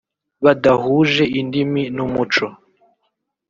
badahuje indimi n’umuco